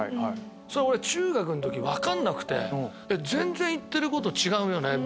それ中学の時分かんなくて全然言ってること違うよね